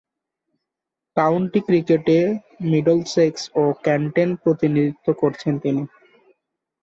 County ক্রিকেটে Middlesex ও কেন্টের প্রতিনিধিত্ব করেছেন তিনি।